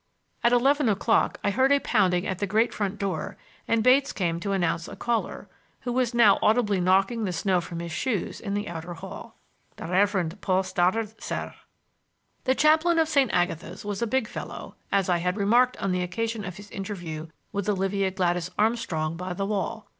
At eleven o'clock I heard a pounding at the great front door and Bates came to announce a caller, who was now audibly knocking the snow from his shoes in the outer hall. "The Reverend Paul Stoddard, sir." The chaplain of St. Agatha's was a big fellow, as I had remarked on the occasion of his interview with Olivia Gladys Armstrong by the wall.